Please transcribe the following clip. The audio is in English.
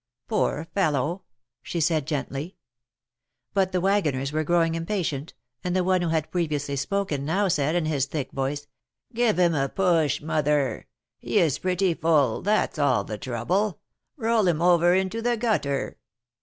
Poor fellow !" she said, gently. But the wagoners were growing impatient, and the one who had previously spoken now said, in his thick voice : Give him a push. Mother. He is pretty full, that^s all the trouble ! Roll him over into the gutter